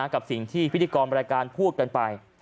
กับสิ่งที่พิธีกรรายการพูดกันไป